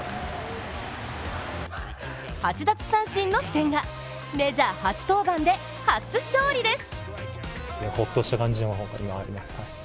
８奪三振の千賀、メジャー初登板で初勝利です。